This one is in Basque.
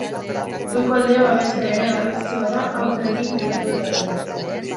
Goiko aldea babestea ere garrantzitsua da hautsarekin kutsatu ez dadin.